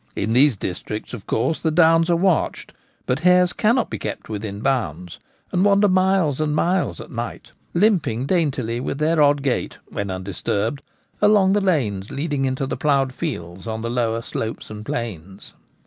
In these districts of course the downs are watched ; but hares cannot be kept within bounds, and wander miles and miles at night, limping daintily with their odd gait (when undisturbed) along the lanes leading into the ploughed fields on the lower slopes and plains.